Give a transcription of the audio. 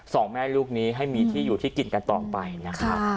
สองแม่ลูกนี้ให้มีที่อยู่ที่กินกันต่อไปนะครับ